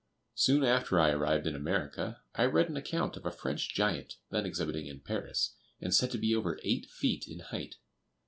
Soon after I arrived in America, I read an account of a French giant, then exhibiting in Paris, and said to be over eight feet in height.